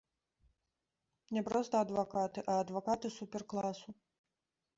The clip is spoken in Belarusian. Не проста адвакаты, а адвакаты супер-класу.